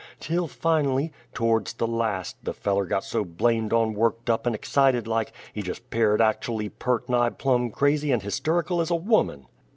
till finally, to'rds the last, the feller got so blamedon worked up and excited like, he jes' 'peared actchully purt' nigh plum crazy and histurical as a woman!